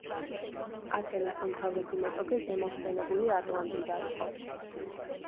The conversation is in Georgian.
ათენის უმთავრესი მეტოქე ზემო ხსენებული ატლანტიდა იყო.